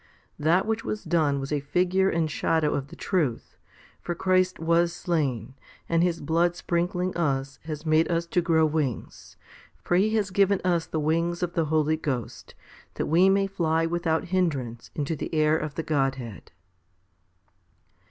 1 That which was done was a figure and shadow of the truth ; for Christ was slain, and His blood sprinkling us has made us to grow wings, for He has given us the wings of the Holy Ghost, that we may fly without hindrance into the air of the Godhead.